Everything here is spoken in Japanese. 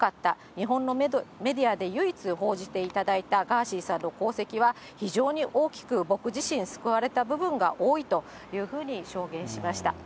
日本のメディアで唯一報じていただいたガーシーさんの功績は非常に大きく、僕自身、救われた部分が多いというふうに証言しました。